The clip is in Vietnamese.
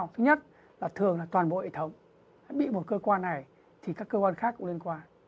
thứ nhất là thường là toàn bộ hệ thống bị một cơ quan này thì các cơ quan khác cũng liên quan